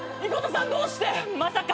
まさか。